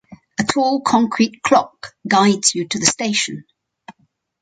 A tall concrete clock guides you to the station.